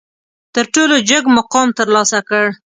تر ټولو جګ مقام ترلاسه کړ.